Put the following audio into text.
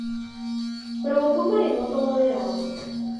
Provocó un maremoto moderado.